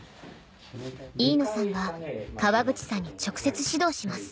飯野さんは川口さんに直接指導します